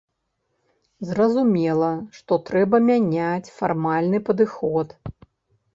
Зразумела, што трэба мяняць фармальны падыход.